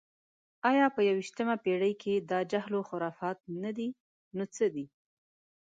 ایا په یویشتمه پېړۍ کې دا جهل و خرافات نه دي، نو څه دي؟